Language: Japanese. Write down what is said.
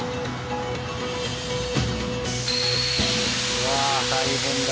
うわあ大変だ。